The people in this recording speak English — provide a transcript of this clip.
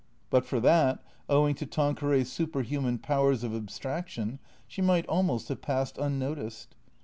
But for that, owing to Tanqueray's superhuman powers of ab straction, she might almost have passed unnoticed.